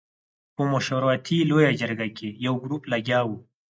په مشورتي لویه جرګه کې یو ګروپ لګیا وو.